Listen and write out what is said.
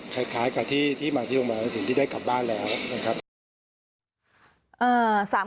คล้ายกับที่มาที่โรงพยาบาลถึงที่ได้กลับบ้านแล้วนะครับ